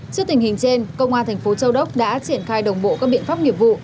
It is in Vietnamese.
trước tình hình trên công an thành phố châu đốc đã triển khai đồng bộ các biện pháp nghiệp vụ